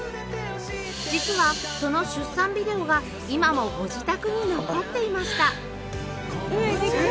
実はその出産ビデオが今もご自宅に残っていました